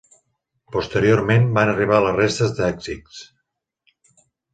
Posteriorment van arribar la resta d'èxits.